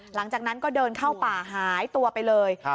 หลังจากนั้นก็เดินเข้าป่าหายตัวไปเลย